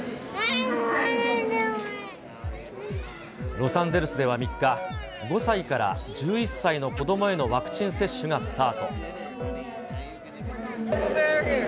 ロサンゼルスでは３日、５歳から１１歳の子どもへのワクチン接種がスタート。